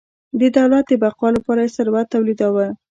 د دولت د بقا لپاره یې ثروت تولیداوه.